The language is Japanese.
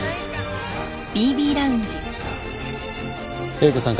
英子さん